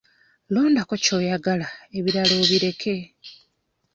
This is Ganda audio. Londako ky'oyagala ebirala obireke.